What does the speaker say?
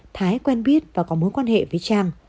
thái quen biết và có mối quan hệ với trang